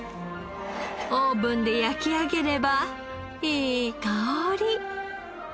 オーブンで焼き上げればいい香り。